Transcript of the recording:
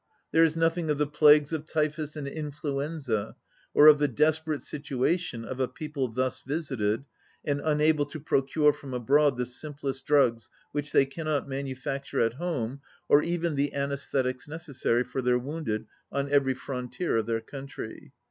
There is nothing of the plagues of typhus and influenza, or of the desperate situation of a peo ple thus visited and unable to procure from abroad the simplest drugs which they cannot manufacture at home or even the anaesthetics necessary for their wounded on every frontier of their country.